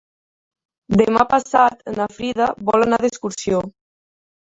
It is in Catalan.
Demà passat na Frida vol anar d'excursió.